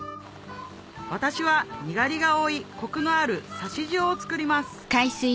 私はにがりが多いコクのある差塩を作ります